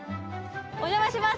お邪魔します。